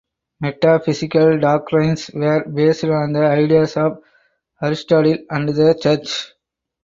Metaphysical doctrines were based on the ideas of Aristotle and the Church.